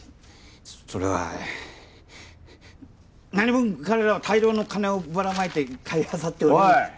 それはなにぶん彼らは大量の金をばらまいて買いあさっておりましておい！